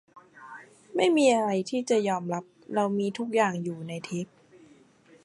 ไม่มีอะไรที่จะยอมรับ เรามีทุกอย่างอยู่ในเทป